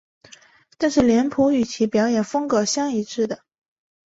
但是脸谱是与其表演风格相一致的。